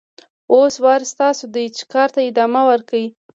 اوس وار ستاسو دی چې کار ته ادامه ورکړئ.